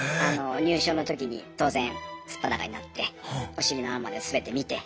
入所のときに当然素っ裸になってお尻の穴まで全て見て。